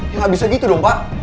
ya tidak bisa begitu pak